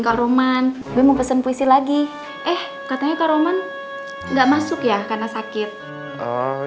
kalau man belum pesan puisi lagi eh katanya kalau man enggak masuk ya karena sakit oh